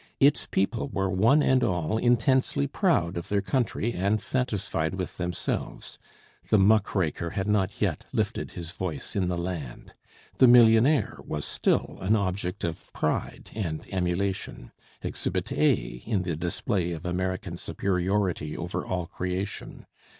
Its people were one and all intensely proud of their country and satisfied with themselves. The muckraker had not yet lifted his voice in the land. The millionaire was still an object of pride and emulation, Exhibit A in the display of American superiority over all creation.